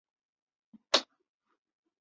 和英雄独眼龙及反派火神是手足关系。